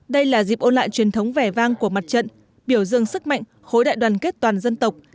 đây là dịp ôn lại truyền thống vẻ vang của mặt trận biểu dương sức mạnh khối đại đoàn kết toàn dân tộc